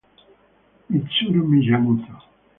Mitsuru Miyamoto